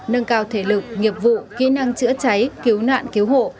nâng cao thể lực nghiệp vụ kỹ năng chữa cháy cứu nạn cứu hộ